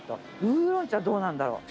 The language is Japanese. ウーロン茶どうなんだろう？